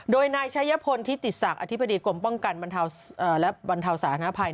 โดยนายชายพลที่ติดศักดิ์อธิบดีกรมป้องกันบรรเทาศาสนภัย